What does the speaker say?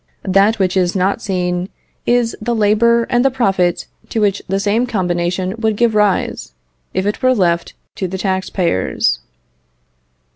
That which is not seen is the labour and the profit to which this same combination would give rise, if it were left to the tax payers.